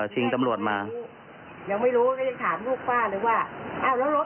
ชิงตำรวจมายังไม่รู้ก็ยังถามลูกป้าเลยว่าอ้าวแล้วรถหนีไปเลยเหรอเนี่ย